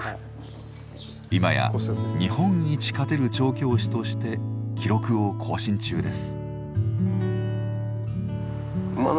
今や日本一勝てる調教師として記録を更新中です。